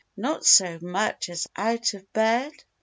not so much as out of bed?